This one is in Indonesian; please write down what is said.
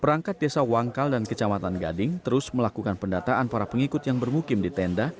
perangkat desa wangkal dan kecamatan gading terus melakukan pendataan para pengikut yang bermukim di tenda